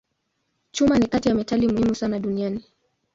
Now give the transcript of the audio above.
Chuma ni kati ya metali muhimu sana duniani.